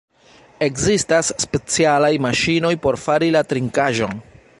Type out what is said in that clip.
Ekzistas specialaj maŝinoj por fari la trinkaĵon.